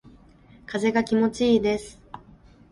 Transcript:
風が気持ちいいです。